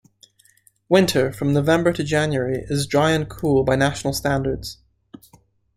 Winter, from November to January, is dry and cool by national standards.